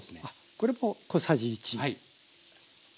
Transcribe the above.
これも小さじ１。